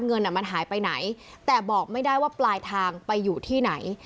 เงินมันหายไปไหนแต่บอกไม่ได้ว่าปลายทางไปอยู่ที่ไหน